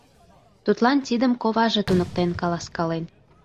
Тудлан тидым коваже туныктен каласкален.